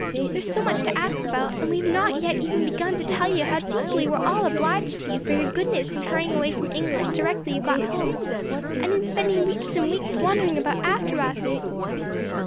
There is so much to ask about, and we have not yet even begun to tell you how deeply we are all obliged to you for your goodness in hurrying away from England directly you got home, and in spending weeks and weeks wandering about after us."